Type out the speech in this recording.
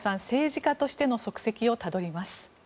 政治家としての足跡をたどります。